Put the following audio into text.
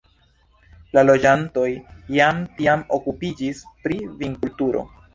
La loĝantoj jam tiam okupiĝis pri vinkulturo.